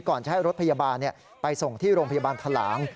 จะให้รถพยาบาลไปส่งที่โรงพยาบาลทะหลาง